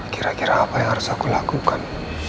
kira kira apa yang harus aku lakukan